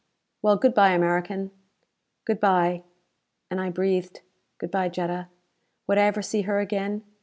Well, good by, American." "Good by." And I breathed, "Good by Jetta." Would I ever see her again?